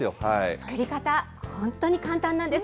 作り方、本当に簡単なんです。